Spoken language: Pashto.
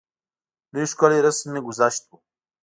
لوی ښکلی رسم ګذشت وو.